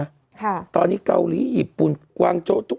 ค่ะตอนนี้เกาหลีญี่ปุ่นกวางโจ๊ทุก